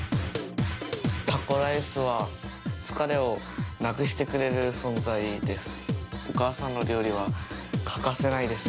タコライスは疲れをなくしてくれる存在です。